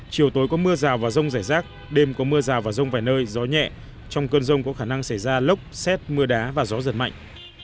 chiều tối có mưa rào và rông rải rác đêm có mưa rào và rông vài nơi gió nhẹ trong cơn rông có khả năng xảy ra lốc xét mưa đá và gió giật mạnh